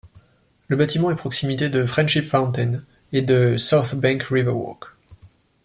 Le bâtiment est proximité de Friendship Fountain, et de Southbank Riverwalk.